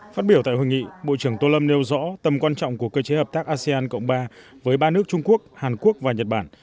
phát biểu tại hội nghị bộ trưởng tô lâm nêu rõ tầm quan trọng của cơ chế hợp tác asean cộng ba với ba nước trung quốc hàn quốc và nhật bản